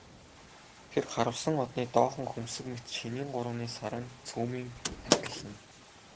Тэр харвасан одны доохон хөмсөг мэт шинийн гуравны саран сүүмийн тахирлана.